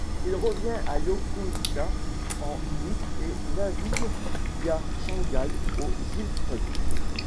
Il revient à Yokosuka en août et navigue via Shanghai aux îles Truk.